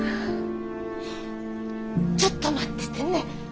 ちょっと待っててね。